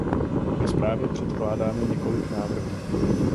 Ve zprávě předkládáme několik návrhů.